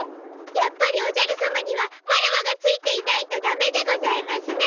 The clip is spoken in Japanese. やっぱりおじゃるさまにはワラワがついていないとだめでございますね。